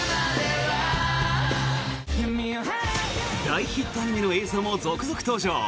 大ヒットアニメの映像も続々登場！